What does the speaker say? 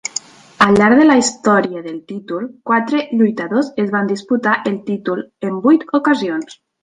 Al llarg de la història del títol, quatre lluitadors es van disputar el títol en vuit ocasions.